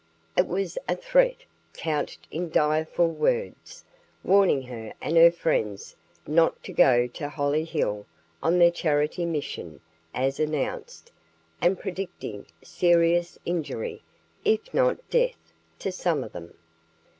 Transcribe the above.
It was a threat couched in direful words, warning her and her friends not to go to Hollyhill on their charity mission, as announced, and predicting serious injury if not death to some of them.